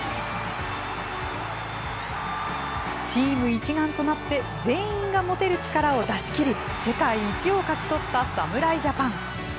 チーム一丸となって全員が持てる力を出し切り世界一を勝ち取った侍ジャパン。